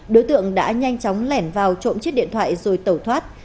đối tượng đã nhanh chóng lẻn vào trộm chiếc điện thoại rồi tẩu thoát